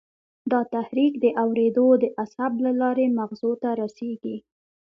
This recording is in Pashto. دا تحریک د اورېدو د عصب له لارې مغزو ته رسېږي.